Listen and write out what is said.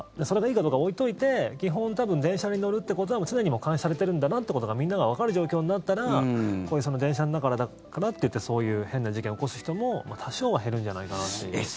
それがいいかどうかは置いといて基本、多分電車に乗るということは常に監視されてるんだなということがみんながわかる状況になったらこういう電車の中だからといってそういう変な事件起こす人も多少は減るんじゃないかなと。